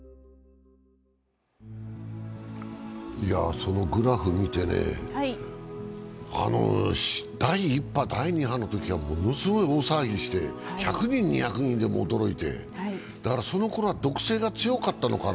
そのグラフを見て、第１波、第２波のときはものすごい大騒ぎして１００人、２００人でも驚いて、そのころは毒性が強かったのかな。